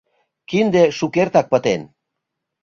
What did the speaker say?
Кинде шукертак пытен.